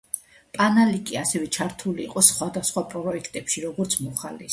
პალანიკი ასევე ჩართული იყო სხვადასხვა პროექტებში, როგორც მოხალისე.